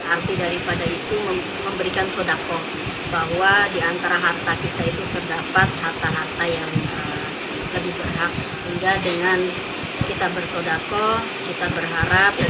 arti daripada itu memberikan sodakoh bahwa di antara harta kita itu terdapat harta harta yang lebih berhak